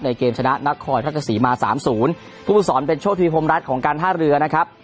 ในเกมชนะนักคลอยพระเจ้าศรีมาสามศูนย์ผู้สอนเป็นโชครีพรมรัฐของการท่าเรือนะครับ